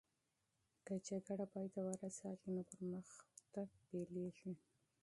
که جنګ پای ته ورسیږي نو پرمختګ پیلیږي.